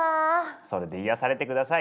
それで癒やされて下さい。